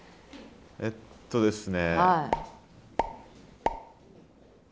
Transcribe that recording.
えっとですね。